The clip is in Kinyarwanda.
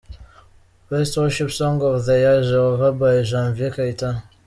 Best Worship song of the year: Jehova by Janvier Kayitana.